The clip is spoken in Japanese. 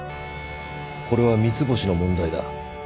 これは三ツ星の問題だ。